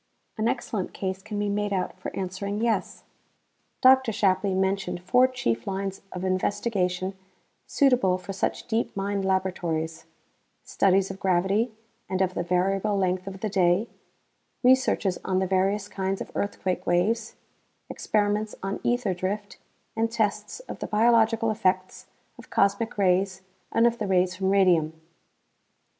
An excellent case can be made out for answering yes. Dr. Shapley mentioned four chief lines of investigation suitable for such deep mine laboratories: studies of gravity and of the variable length of the day, researches on the various kinds of earthquake waves, experiments on ether drift and tests of the biological effects of cosmic rays and of the rays from radium.